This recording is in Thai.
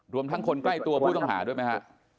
ทั้งคนใกล้ตัวผู้ต้องหาด้วยไหมฮะ